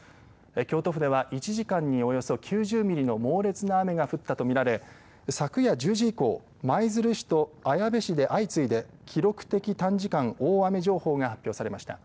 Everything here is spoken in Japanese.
京都府では１時間におよそ９０ミリの猛烈な雨が降ったと見られ昨夜１０時以降舞鶴市と綾部市で相次いで記録的短時間大雨情報が発表されました。